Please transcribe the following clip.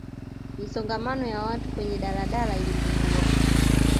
misongamano ya watu kwenye daladala ilipungua